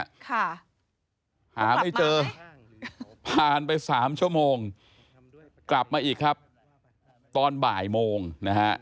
ค่ะหาไม่เจอผ่านไปสามชั่วโมงกลับมาอีกครับตอนบ่ายโมงนะฮะ